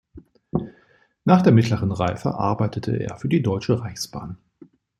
Nach der Mittleren Reife arbeitete er für die Deutsche Reichsbahn.